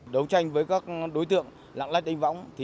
đấu tranh với các đối tượng lạng lách đánh võng